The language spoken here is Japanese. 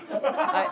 はい。